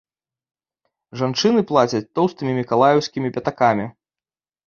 Жанчына плаціць тоўстымі мікалаеўскімі пятакамі.